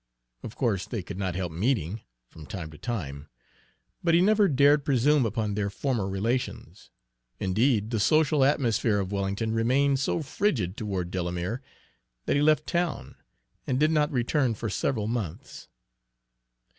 Of course they could not help meeting, from time to time, but he never dared presume upon their former relations. Indeed, the social atmosphere of Wellington remained so frigid toward Delamere that he left town, and did not return for several months.